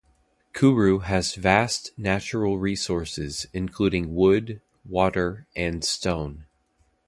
Kuru has vast natural resources including wood, water and stone.